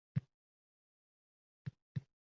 majbur bo‘ladi